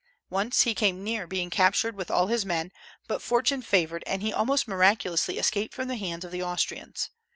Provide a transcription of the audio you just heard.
Once he came near being captured with all his men; but fortune favored, and he almost miraculously escaped from the hands of the Austrians.